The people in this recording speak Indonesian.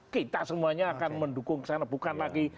kita semuanya akan mendukung kesana bukan lagi